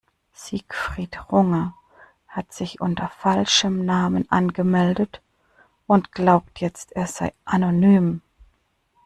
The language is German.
Siegfried Runge hat sich unter falschem Namen angemeldet und glaubt jetzt, er sei anonym.